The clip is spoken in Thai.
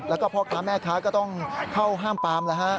แล้วก็พ่อค้าแม่ค้าก็ต้องเข้าห้ามปามแล้วฮะ